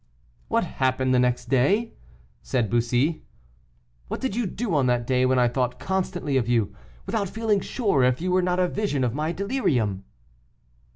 "What happened the next day?" said Bussy; "what did you do on that day when I thought constantly of you, without feeling sure if you were not a vision of my delirium?"